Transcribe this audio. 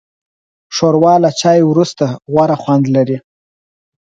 ښوروا له چای وروسته غوره خوند لري.